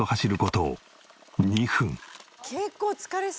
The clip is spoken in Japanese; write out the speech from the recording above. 結構疲れそう。